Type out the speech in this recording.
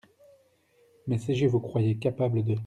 Mais si je vous croyais capable de…